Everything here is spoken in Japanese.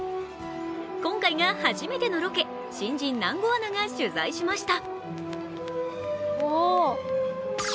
今回が初めてのロケ、新人・南後アナが取材しました。